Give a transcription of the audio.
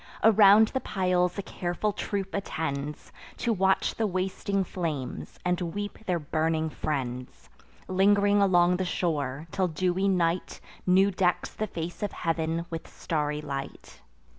Around the piles a careful troop attends, To watch the wasting flames, and weep their burning friends; Ling'ring along the shore, till dewy night New decks the face of heav'n with starry light.